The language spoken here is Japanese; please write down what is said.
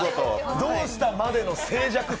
どうしたまでの静寂さ。